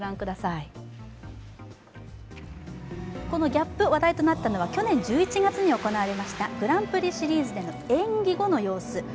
このギャップ、話題となったのは去年１１月に行われましたグランプリシリーズでの演技での様子。